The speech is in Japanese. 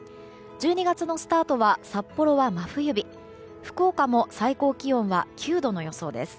１２月のスタートは札幌は真冬日福岡も最高気温は９度の予想です。